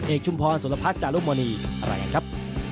เอกชุมพรสุรพักษณ์จารกมณีอะไรอย่างนี้ครับ